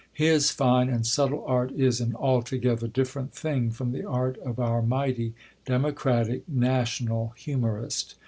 His fine and subtle art is an altogether different thing from the art of our mighty, democratic, national humorist.